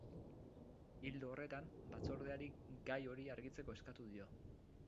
Ildo horretan, batzordeari gai hori argitzeko eskatu dio.